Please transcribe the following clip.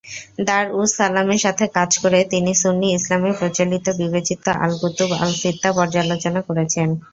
দার উস সালামের সাথে কাজ করে, তিনি সুন্নি ইসলামে প্রচলিত বিবেচিত আল-কুতুব আল-সিত্তাহ পর্যালোচনা করেছেন।